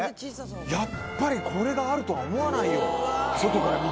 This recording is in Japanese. やっぱりこれがあるとは思わないよ外から見て。